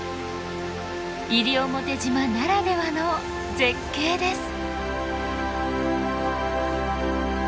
西表島ならではの絶景です。